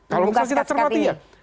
kalau misalnya kita cermati ya